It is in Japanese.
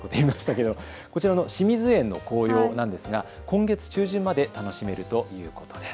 こちらの清水園の紅葉なんですが今月中旬まで楽しめるということです。